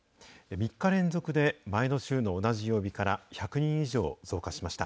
３日連続で前の週の同じ曜日から１００人以上増加しました。